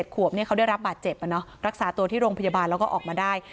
ขวบเขาได้รับบาดเจ็บรักษาตัวที่โรงพยาบาลแล้วก็ออกมาได้